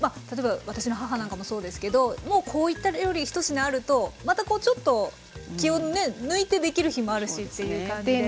例えば私の母なんかもそうですけどもうこういった料理一品あるとまたこうちょっと気を抜いてできる日もあるしっていう感じで。